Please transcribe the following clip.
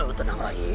kau tenang rai